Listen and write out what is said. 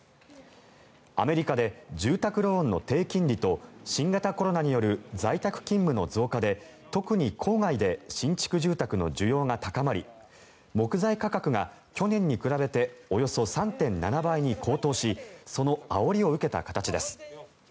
アメリカで住宅ローンの低金利と新型コロナによる在宅勤務の増加で特に郊外で新築住宅の需要が高まり木材価格が去年に比べておよそ３．７倍に高騰しそのあおりを受けた形です。